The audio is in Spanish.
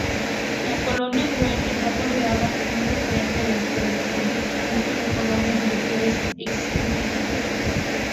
La Colonia Güell está considerado un referente dentro del conjunto de colonias industriales existentes.